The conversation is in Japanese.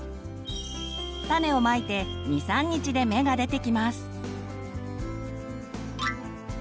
種をまいて２３日で芽が出てきます。